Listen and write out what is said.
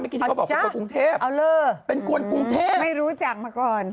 ไม่กี่ทีเขาบอกเป็นคนกรุงเทพไม่รู้จักมาก่อน